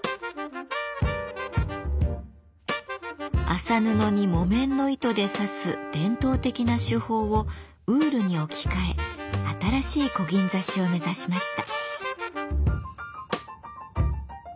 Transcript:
麻布に木綿の糸で刺す伝統的な手法をウールに置き換え新しいこぎん刺しを目指しました。